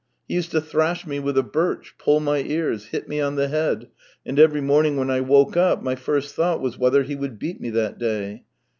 He used to thrash me with a birch, pull my ears, hit me on the head, and every morning when I woke up my first thought was whether he would beat me that day.